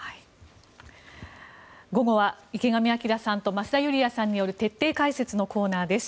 午後は池上彰さんと増田ユリヤさんによる徹底解説のコーナーです。